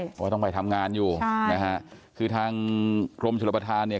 เพราะว่าต้องไปทำงานอยู่ใช่นะฮะคือทางกรมชนประธานเนี่ย